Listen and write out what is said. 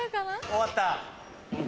終わった？